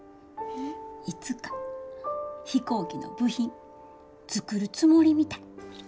いつか飛行機の部品作るつもりみたい。